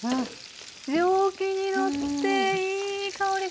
蒸気にのっていい香りが。